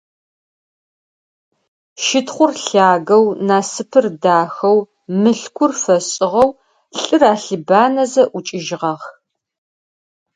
Щытхъур лъагэу, Насыпыр дахэу, Мылъкур фэшӏыгъэу, лӏыр алъыбанэзэ, ӏукӏыжьыгъэх.